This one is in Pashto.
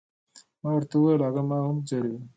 ما ورته وویل، هغه ما هم ځوروي.